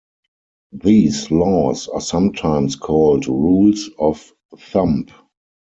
These 'laws' are sometimes called rules of thumb.